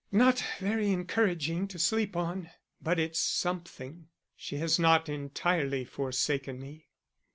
Not very encouraging to sleep on; but it's something. She has not entirely forsaken me."